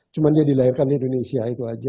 cuma dia dilahirkan di indonesia itu aja